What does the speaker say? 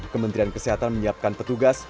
kementerian kesehatan menyiapkan petugas